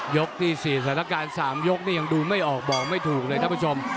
ที่๔สถานการณ์๓ยกนี่ยังดูไม่ออกบอกไม่ถูกเลยท่านผู้ชม